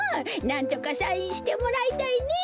なんとかサインしてもらいたいねえ。